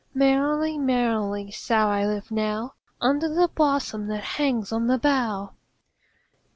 Merrily, merrily shall I live now Under the blossom that hangs on the bough.